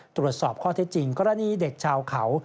ตรวจสอบข้อเท็จจริงกรณีเด็กชาวเขา